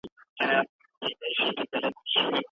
انسان د خرڅلاو او تبادلې وړ جنس نه دی.